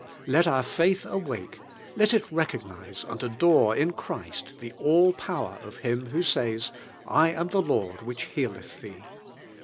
Let our faith awake, let it recognise and adore in Christ the all power of Him who says: "I am the Lord which healeth thee."